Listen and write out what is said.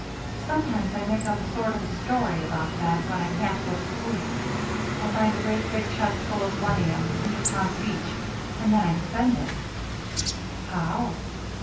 Sometimes I make up a sort of a story about that when I can't go to sleep. I find a great big chest full of money on the Cinder Pond beach, and then I spend it." "How?"